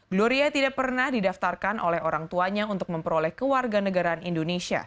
gloria tidak pernah didaftarkan oleh orang tuanya untuk memperoleh ke warga negaraan